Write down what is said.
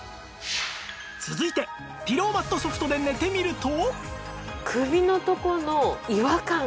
続いてピローマット Ｓｏｆｔ で寝てみると